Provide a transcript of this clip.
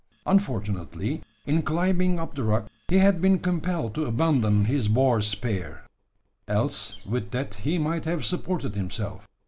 Unfortunately, in climbing up the rock, he had been compelled to abandon his boar spear: else with that he might have supported himself.